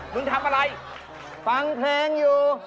มึงทำอะไรฟังเพลงอยู่